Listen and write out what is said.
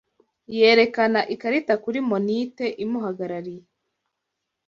yerekana ikarita kuri monite imuhagarariye